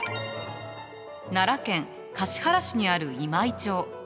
奈良県橿原市にある今井町。